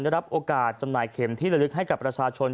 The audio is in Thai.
รับโอกาสจำหน่ายเข็มที่ละลึกให้กับประชาชน